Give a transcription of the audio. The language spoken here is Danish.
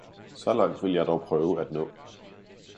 Så langt vil jeg dog prøve at nå!